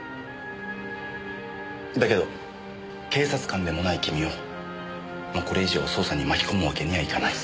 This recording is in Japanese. だけど警察官でもない君をもうこれ以上捜査に巻き込むわけにはいかない。